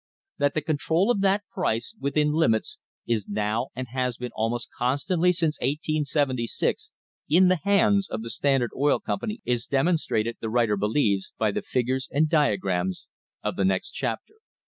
That the control of that price within limits is now and has been almost constantly since 1876 in the hands of the Standard Oil Company is demonstrated, the writer believes, by the figures and diagrams of the next chapter.